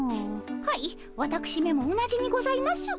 はいわたくしめも同じにございます。